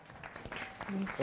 こんにちは。